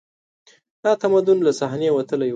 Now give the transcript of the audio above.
دا تمدن له صحنې وتلی و